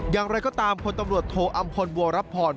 อย่างไรก็ตามพลตำรวจโทอำพลบัวรับพร